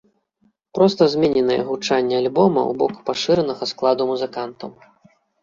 Проста змененае гучанне альбома ў бок пашыранага складу музыкантаў.